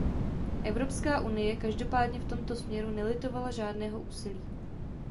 Evropská unie každopádně v tomto směru nelitovala žádného úsilí.